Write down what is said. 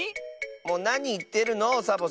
もうなにいってるのサボさん。